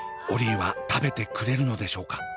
オリィは食べてくれるのでしょうか？